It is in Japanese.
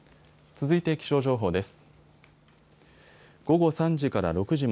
続いて気象情報です。